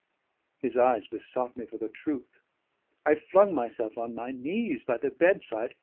His eyes besought me for the truth. I flung myself on my knees by the bedside.